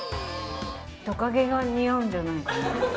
トカゲが似合うんじゃないかな。